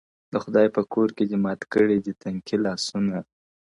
د خدای په کور کي دې مات کړې دي تنکي لاسونه؛